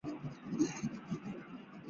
明朝洪武十五年改为镇康府。